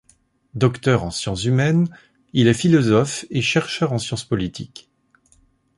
Docteur en sciences humaines, il est philosophe et chercheur en sciences politiques.